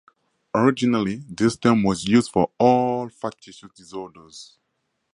Originally, this term was used for all factitious disorders.